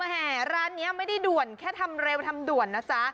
แห่ร้านนี้ไม่ได้ด่วนแค่ทำเร็วทำด่วนนะจ๊ะ